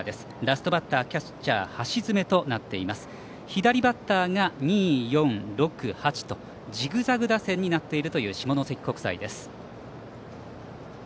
左バッターが２、４、６、８とジグザグ打線になっている下関国際です。